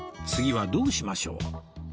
次はどうしましょう？